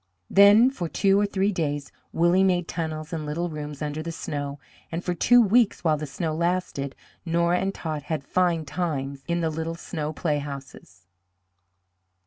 Then for two or three days Willie made tunnels and little rooms under the snow, and for two weeks, while the snow lasted, Nora and Tot had fine times in the little snow playhouses.